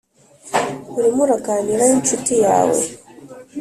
Urimo uraganira n incuti yawe